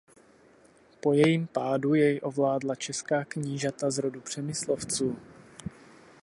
Po jejím pádu jej ovládla česká knížata z rodu Přemyslovců.